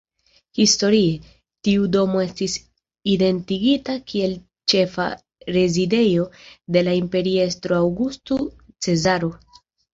Historie, tiu domo estis identigita kiel ĉefa rezidejo de la imperiestro Aŭgusto Cezaro.